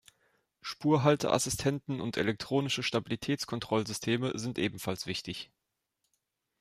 Spurhalteassistenten und elektronische Stabilitätskontrollsysteme sind ebenfalls wichtig.